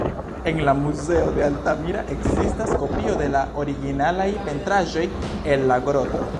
En la muzeo de Altamira ekzistas kopio de la originalaj pentraĵoj el la groto.